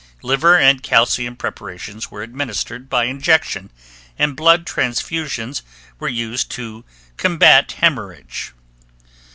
Liver and calcium preparations were administered by injection and blood transfusions were used to combat hemorrhage.